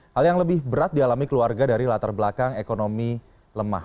hal yang lebih berat dialami keluarga dari latar belakang ekonomi lemah